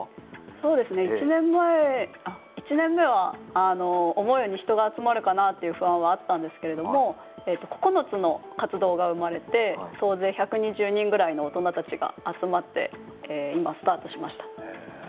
そうですね、１年目は思うように人が集まるかなという不安はあったんですけれども９つの活動が生まれて総勢１２０人ぐらいの大人たちが集まって今、スタートしました。